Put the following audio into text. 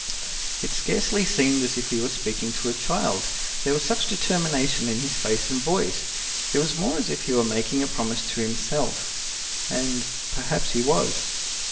It scarcely seemed as if he were speaking to a child, there was such determination in his face and voice; it was more as if he were making a promise to himself and perhaps he was.